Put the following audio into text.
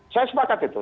saya sepakat itu